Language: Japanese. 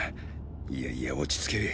いやいや落ち着け。